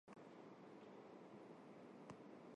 Ատոնցմէ մէկն ալ այդ բամբիռն էր։